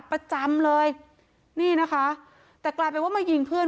ประจำเลยนี่นะคะแต่กลายเป็นว่ามายิงเพื่อน